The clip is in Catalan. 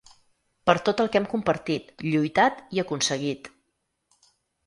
Per tot el que hem compartit, lluitat i aconseguit.